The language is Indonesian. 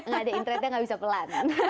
nggak ada internetnya nggak bisa pelan